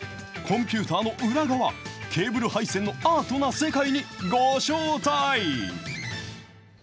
コンピューターの裏側、ケーブル配線のアートな世界にご招待。